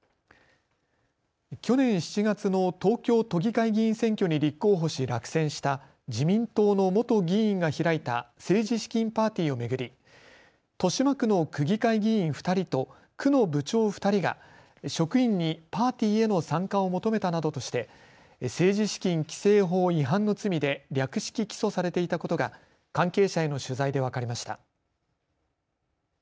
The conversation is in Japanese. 去年７月の東京都議会議員選挙に立候補し落選した自民党の元議員が開いた政治資金パーティーを巡り、豊島区の区議会議員２人と区の部長２人が職員にパーティーへの参加を求めたなどとして政治資金規正法違反の罪で略式起訴されていたことが関係者への取材で分かりました。